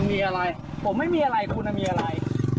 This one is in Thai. มีอะไรผมไม่มีอะไรคุณมีอะไร